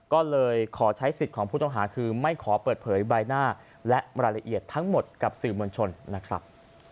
ก็เลยขอใช้สิทธิ์ของผู้ต้องหาคือไม่ขอเปิดเผยใบหน้าและรายละเอียดทั้งหมดกับสื่อมวลชนนะครับ